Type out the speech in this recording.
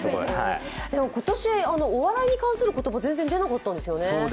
今年、お笑いに関する言葉全然出なかったんですよね。